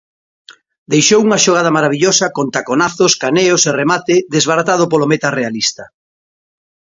Deixou unha xogada marabillosa con taconazos, caneos e remate desbaratado polo meta realista.